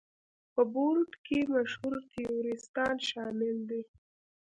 په بورډ کې مشهور تیوریستان شامل دي.